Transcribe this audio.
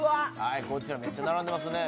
こちらめっちゃ並んでますね